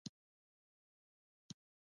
مصنوعي ځیرکتیا د پرېکړو شفافیت زیاتوي.